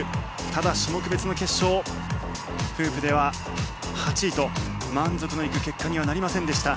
ただ、種目別の決勝フープでは８位と満足のいく結果にはなりませんでした。